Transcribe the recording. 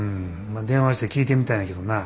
あ電話して聞いてみたんやけどな